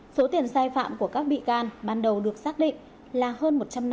số tiền sai phạm của các bị can ban đầu được xác định là hơn một trăm năm mươi hai triệu đồng